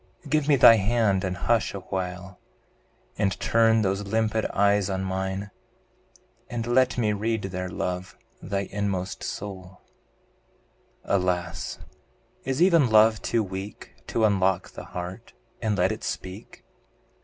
Give me thy hand and hush awhile, And turn those limpid eyes on mine, And let me read there, love! thy inmost soul. Alas! is even love too weak To unlock the heart, and let it speak?